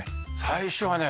最初はね